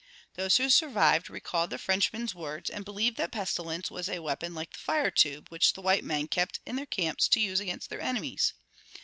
Those who survived recalled the Frenchman's words and believed that pestilence was a weapon like the "fire tube" which the white men kept in their camps to use against their enemies.